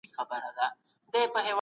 پاکې اوبه د ژوند بنسټ دی